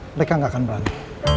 mereka gak akan berani